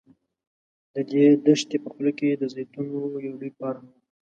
د دې دښتې په خوله کې د زیتونو یو لوی فارم و.